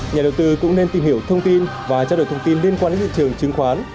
nhà đầu tư cũng nên tìm hiểu thông tin và trao đổi thông tin liên quan đến thị trường chứng khoán